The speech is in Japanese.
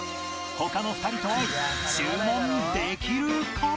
他の２人と合い注文できるか？